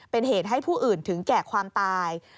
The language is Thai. เป็นเหตุให้ผู้อื่นถึงแก่ความตาย